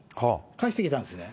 返してきたんですね。